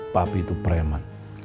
papi itu preman